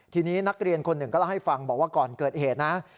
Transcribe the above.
ทีนี้นักเรียนคนหนึ่งก็เล่าให้ฟังบอกว่าก่อนเกิดเหตุนะ